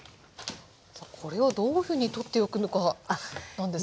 これをどういうふうに取ってゆくのかなんですけど。